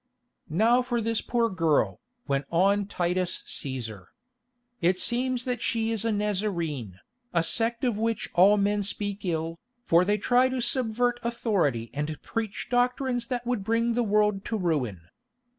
"Now for this poor girl," went on Titus Cæsar. "It seems that she is a Nazarene, a sect of which all men speak ill, for they try to subvert authority and preach doctrines that would bring the world to ruin.